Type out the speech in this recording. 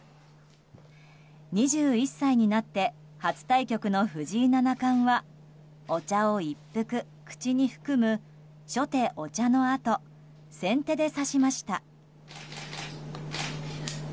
２１歳になって初対局の藤井七冠はお茶を一服、口に含む初手・お茶のあと先手で指しました。